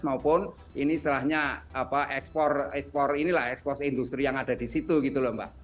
maupun ini setelahnya ekspor industri yang ada di situ gitu loh mbak